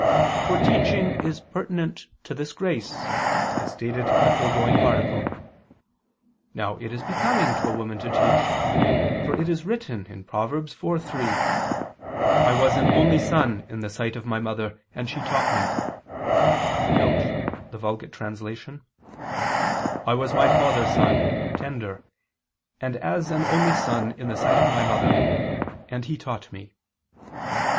For teaching is pertinent to this grace, as stated in the foregoing Article. Now it is becoming to a woman to teach; for it is written (Prov. 4:3, 4): "I was an only son in the sight of my mother, and she taught me [*Vulg.: 'I was my father's son, tender, and as an only son in the sight of my mother. And he taught me.'